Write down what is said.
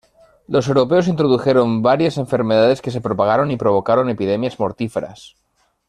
Los europeos introdujeron varias enfermedades que se propagaron y provocaron epidemias mortíferas.